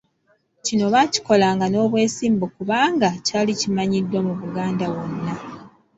Kino baakikolanga n'obwesimbu kubanga kyali kimanyiddwa mu Buganda wonna.